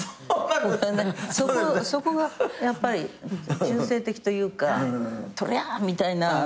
そこがやっぱり中性的というかとりゃ！みたいなの。